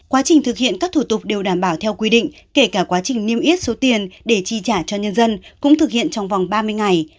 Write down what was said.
quá trình thực hiện các thủ tục đều đảm bảo theo quy định kể cả quá trình niêm yết số tiền để chi trả cho nhân dân cũng thực hiện trong vòng ba mươi ngày